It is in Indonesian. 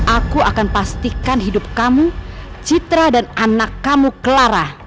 aku akan pastikan hidup kamu citra dan anak kamu clara